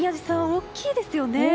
大きいですね。